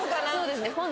そうですね。